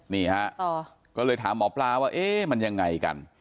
นี่ฮะก็เลยถามหมอปลาว่าเอ๊ะมันยังไงกัน